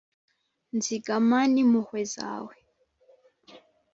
nzigama n’impuhwe zawe